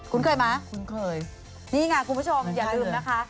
เคยไหมคุ้นเคยนี่ไงคุณผู้ชมอย่าลืมนะคะ